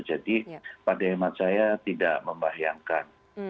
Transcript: jadi pada emak saya tidak membahayakan